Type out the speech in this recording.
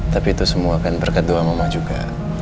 tapi itu semua akan berkat doa mama juga